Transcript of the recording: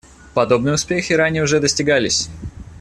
Подобные успехи ранее уже достигались.